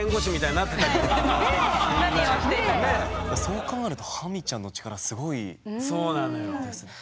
そう考えるとハミちゃんの力すごいですよね。